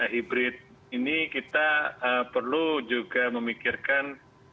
hybrid ini kita perlu juga memikirkan